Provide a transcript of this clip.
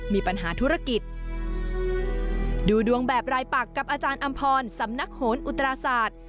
มีปัญหาธุรกิจดูดวงแบบรายปักกับอาจารย์อำพรสำนักโหนอุตราศาสตร์